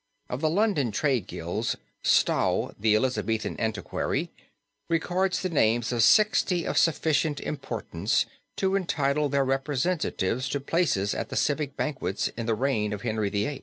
Of the London trade guilds, Stow, the Elizabethan antiquary, records the names of sixty of sufficient importance to entitle their representatives to places at the civic banquets in the reign of Henry VIII.